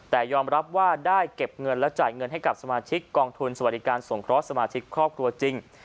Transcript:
แต่ยอมรับว่าได้เก็บเงินและจ่ายเงินให้กับสมาชิกกองทุนสวัสดิการสงเคราะห์สมาชิกครอบครัวจริง